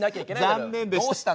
残念でした。